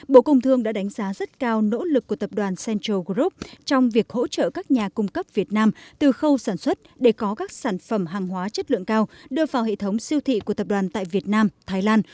bộ công thương đã đánh giá rất cao nỗ lực của tập đoàn central group trong việc hỗ trợ các nhà cung cấp việt nam từ khâu sản xuất để có các sản phẩm hàng hóa chất lượng cao đưa vào hệ thống siêu thị của tập đoàn tại việt nam thái lan